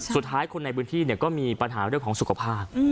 สุดท้ายคนในพื้นที่เนี่ยก็มีปัญหาเรื่องของสุขภาพ